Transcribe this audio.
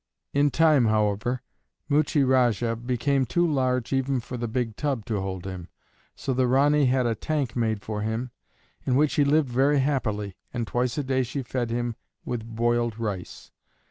In time, however, Muchie Rajah became too large for even the big tub to hold him; so the Ranee had a tank made for him, in which he lived very happily, and twice a day she fed him with boiled rice.